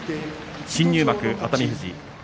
新入幕の熱海富士